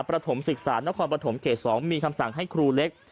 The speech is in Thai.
ฐมศึกษานครปฐมเขต๒มีคำสั่งให้ครูเล็ก